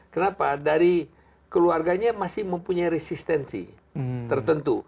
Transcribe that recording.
kenapa dari keluarganya masih mempunyai resistensi tertentu